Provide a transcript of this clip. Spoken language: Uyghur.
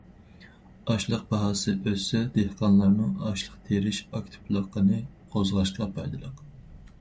ئاشلىق باھاسى ئۆسسە، دېھقانلارنىڭ ئاشلىق تېرىش ئاكتىپلىقىنى قوزغاشقا پايدىلىق.